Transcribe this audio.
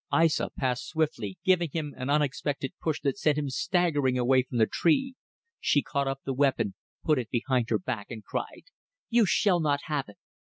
Aissa passed swiftly, giving him an unexpected push that sent him staggering away from the tree. She caught up the weapon, put it behind her back, and cried "You shall not have it.